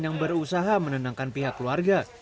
yang berusaha menenangkan pihak keluarga